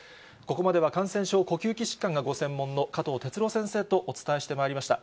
午後までは感染症、呼吸器疾患がご専門の加藤哲朗先生とお伝えしてまいりました。